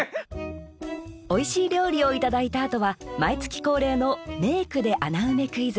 おいしい料理をいただいたあとは毎月恒例の「名句ｄｅ穴埋めクイズ」。